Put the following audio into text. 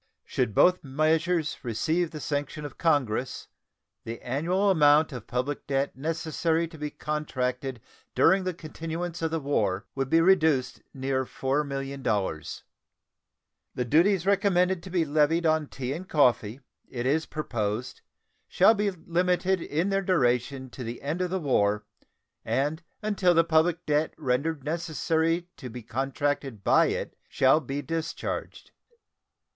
Should both measures receive the sanction of Congress, the annual amount of public debt necessary to be contracted during the continuance of the war would be reduced near $4,000,000. The duties recommended to be levied on tea and coffee it is proposed shall be limited in their duration to the end of the war, and until the public debt rendered necessary to be contracted by it shall be discharged.